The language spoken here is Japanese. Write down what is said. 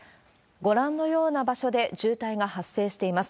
ご覧のような場所で渋滞が発生しています。